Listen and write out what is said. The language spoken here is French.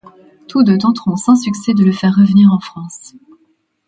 Tous deux tenteront sans succès de le faire revenir en France.